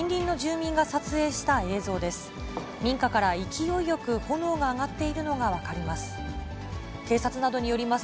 民家から勢いよく炎が上がっているのが分かります。